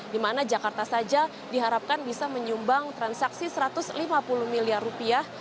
di mana jakarta saja diharapkan bisa menyumbang transaksi satu ratus lima puluh miliar rupiah